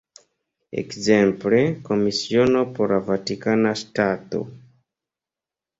Ekzemple, Komisiono por la Vatikana Ŝtato.